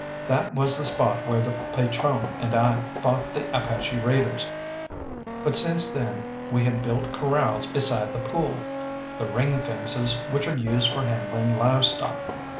That was the spot where the patrone and I fought the Apache raiders, but since then we had built corrals beside the pool, the ring fences which are used for handling livestock.